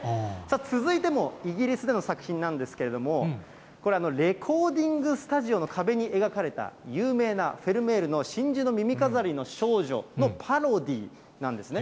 続いてもイギリスでの作品なんですけれども、これ、レコーディングスタジオの壁に描かれた、有名なフェルメールの真珠の耳飾りの少女のパロディーなんですね。